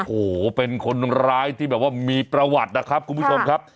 โอ้โหเป็นคนร้ายที่แบบว่ามีประวัตินะครับคุณผู้ชมครับ